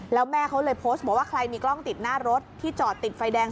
แล้วแม่เขาเลยโพสต์บอกว่าใครมีกล้องติดหน้ารถที่จอดติดไฟแดง